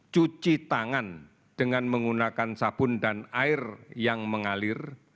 cuci tangan dengan menggunakan sabun dan air yang mengalir